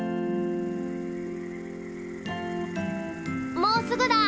もうすぐだ。